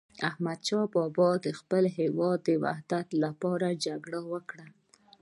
احمد شاه بابا د خپل هیواد د وحدت لپاره جګړه وکړه.